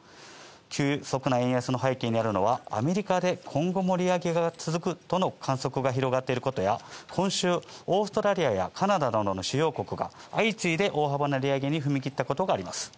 急速な円安の背景にあるのはアメリカで今後も利上げが続くとの観測が広がっていることや、今週、オーストラリアやカナダなどの主要国が相次いで大幅な利上げに踏み切ったことがあります。